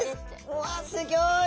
うわすギョい！